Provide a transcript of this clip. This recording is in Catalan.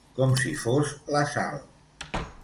Com si fos la Sal.